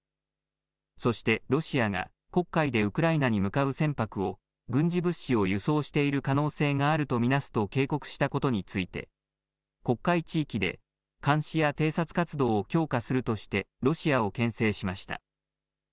そしてロシアが、黒海でウクライナに向かう船舶を軍事物資を輸送している可能性があると見なすと警告したことについて、黒海地域で監視や偵察活動を強化するとして、ロシアをけん制しました。